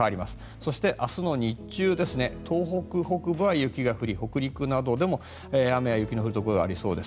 そして、明日の日中東北北部は雪が降り北陸などでも雨や雪の降るところがありそうです。